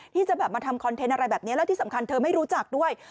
ที่จะแบบมาทำคอนเทนต์อะไรแบบนี้แล้วที่สำคัญเธอไม่รู้จักด้วย